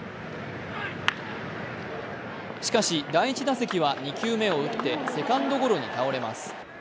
しかし、第１打席は２球目を打ってセカンドゴロに倒れます。